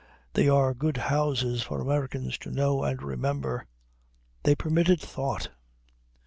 They are good houses for Americans to know and remember. They permitted thought.